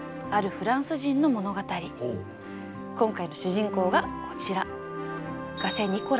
今回の主人公がこちら。